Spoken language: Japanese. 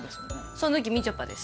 その時みちょぱです